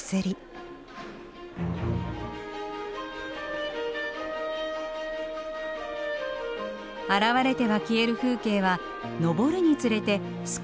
現れては消える風景は上るにつれて少しずつ変化していきます。